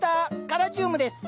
カラジウムです。